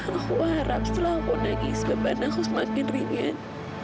aku harap setelah aku nangis beban aku semakin ringan